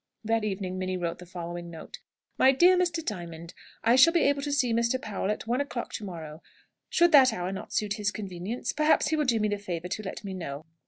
That evening Minnie wrote the following note: "MY DEAR MR. DIAMOND, I shall be able to see Mr. Powell at one o'clock to morrow. Should that hour not suit his convenience, perhaps he will do me the favour to let me know.